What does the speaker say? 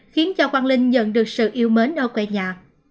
khiến cho quang linh nhận được sự yêu mến ở quê nhà